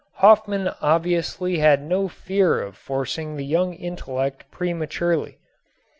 Hofmann obviously had no fear of forcing the young intellect prematurely.